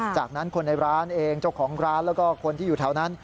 จากนั้นคนในร้านเองเจ้าของร้านแล้วก็คนที่อยู่แถวนั้น